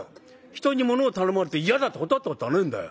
人にものを頼まれて嫌だって断ったことはねえんだよ。